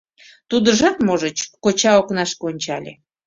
— Тудыжат, можыч... — коча окнашке ончале.